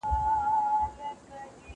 زه به سبا واښه راوړم!.